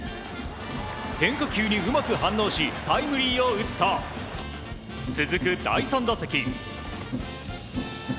変化球にうまく反応しタイムリーを打つと続く第３打席。